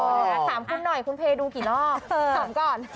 ขอสามคุณหน่อยคุณเภยดูกี่รอบขอสามก่อน